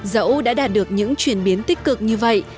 dẫu đã đạt được những chuyển biến tích cực như vậy